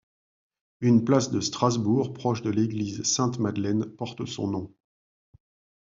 Une place de Strasbourg, proche de l'église Sainte-Madeleine, porte son nom.